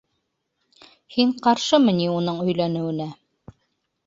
Һин ҡаршымы ни уның өйләнеүенә?